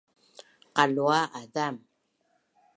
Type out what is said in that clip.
Qalua azam